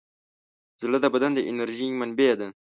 زړه د بدن د انرژۍ منبع ده.